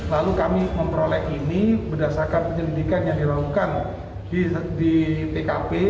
lalu kami memperoleh ini berdasarkan penyelidikan yang dilakukan di tkp